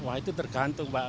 wah itu tergantung mbak